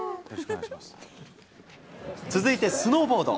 続いて、スノーボード。